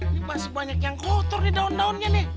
ini masih banyak yang kotor di daun daunnya nih